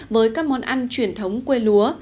với các món ăn truyền thống quê lúa